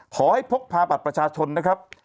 พกพาบัตรประชาชนนะครับ